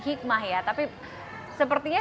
hikmah ya tapi sepertinya